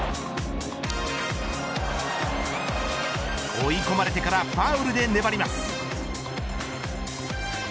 追い込まれてからファウルで粘ります。